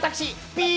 ピー！